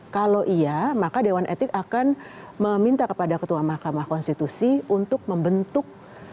kalau iya maka dewan etik akan meminta kepada ketua mahkamah konstitusi untuk membentuk